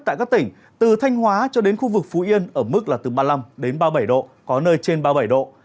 tại các tỉnh từ thanh hóa cho đến khu vực phú yên ở mức là từ ba mươi năm đến ba mươi bảy độ có nơi trên ba mươi bảy độ